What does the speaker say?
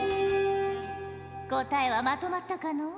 答えはまとまったかの？